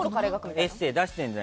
エッセー出してるじゃん